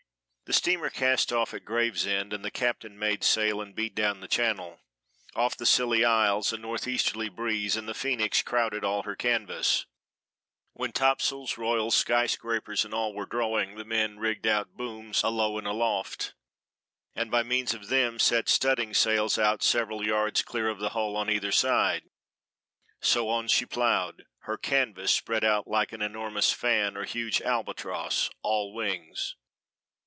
The steamer cast off at Gravesend, and the captain made sail and beat down the Channel. Off the Scilly Isles a northeasterly breeze, and the Phoenix crowded all her canvas; when topsails, royals, skyscrapers and all were drawing the men rigged out booms alow and aloft, and by means of them set studding sails out several yards clear of the hull on either side; so on she plowed, her canvas spread out like an enormous fan or a huge albatross all wings.